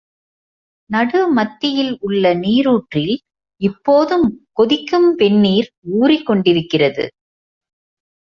நடுமத்தியில் உள்ள நீரூற்றில் இப்போதும் கொதிக்கும் வெந்நீர் ஊறிக் கொண்டிருக்கிறது.